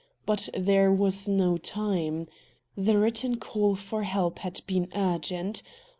But there was no time. The written call for help had been urgent.